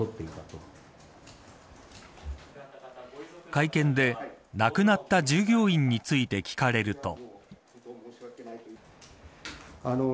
会見で、亡くなった従業員について聞かれると。